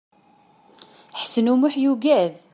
Ḥsen U Muḥ yugad.